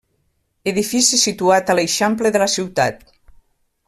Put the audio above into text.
Edifici situat a l'eixample de la ciutat.